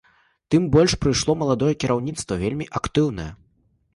Тым больш прыйшло маладое кіраўніцтва, вельмі актыўнае.